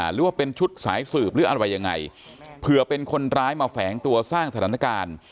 หรือว่าเป็นชุดสายสืบหรืออะไรยังไงเผื่อเป็นคนร้ายมาแฝงตัวสร้างสถานการณ์